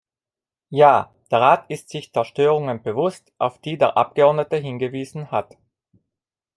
Ja, der Rat ist sich der Störungen bewusst, auf die der Abgeordnete hingewiesen hat.